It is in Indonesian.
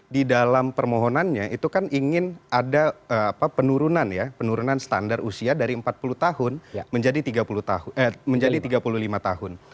di dalam permohonannya itu kan ingin ada penurunan ya penurunan standar usia dari empat puluh tahun menjadi tiga puluh lima tahun